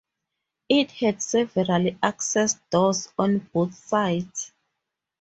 It had several access doors on both sides.